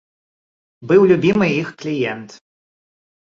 Быў любімы іх кліент.